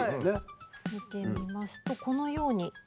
見てみますとこのように。